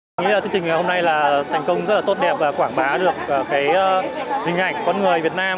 chương trình hôm nay thành công rất tốt đẹp và quảng bá được hình ảnh con người việt nam